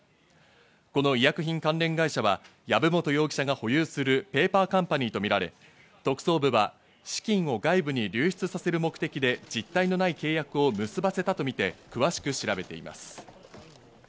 この医薬品関連会社は籔本容疑者が保有するペーパーカンパニーとみられ、特捜部は資金を外部に流出させる目的で実体のない契約を結ばせたとみて詳しく調べています。